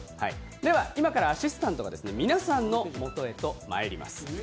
今からアシスタントが皆さんのもとへとまいります。